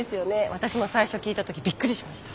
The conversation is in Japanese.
私も最初聞いた時びっくりしました。